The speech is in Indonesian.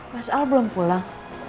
mas al belum pulang